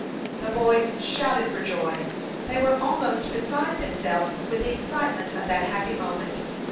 The boys shouted for joy ; they were almost beside themselves with the excite ment of that happy moment.